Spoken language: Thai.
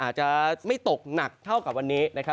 อาจจะไม่ตกหนักเท่ากับวันนี้